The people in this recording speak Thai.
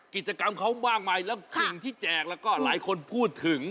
กิจกรรมเขามากมายแล้วสิ่งที่แจกแล้วก็หลายคนพูดถึง